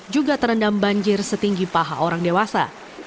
juga terendam banjir setinggi paha orang dewasa